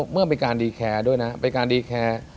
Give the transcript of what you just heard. เมื่อมีการดีแคร์ด้วยนะเป็นการดีแคร์